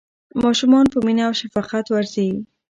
ماشومان په مینه او شفقت وروځئ.